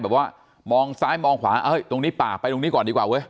บอกว่ามองซ้ายมองขวาตรงนี้ป่าไปตรงนี้ก่อนดีกว่าเว้ย